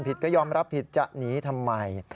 ก็ยอมรับผิดจะหนีทำไม